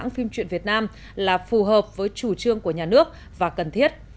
phim truyện việt nam là phù hợp với chủ trương của nhà nước và cần thiết